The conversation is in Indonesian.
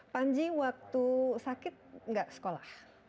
panji waktu sakit nggak sekolah